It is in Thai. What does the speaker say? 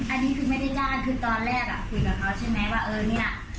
อันนี้คือไม่ได้จ้างคือตอนแรกอ่ะคุยกับเขาใช่ไหมว่าเออเนี่ย